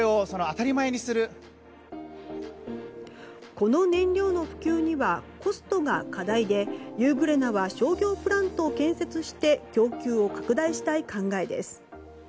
この燃料の普及にはコストが課題で、ユーグレナは商業プラントを建設して供給を拡大したい考えです。